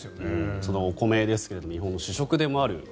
そのお米ですが日本の主食でもある米。